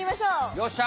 よっしゃ！